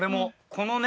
このね